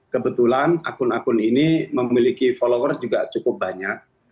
kebetulan akun akun ini memiliki followers juga cukup banyak